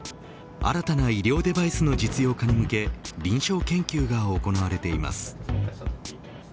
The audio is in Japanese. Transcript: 新たな医療デバイスの実用化に向け臨床研究が行われています。